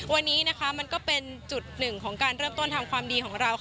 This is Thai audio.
วันนี้มันก็เป็นจุดหนึ่งของการเริ่มต้นทำความดีของเรา